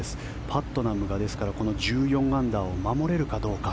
パットナムが、ですからこの１４アンダーを守れるかどうか。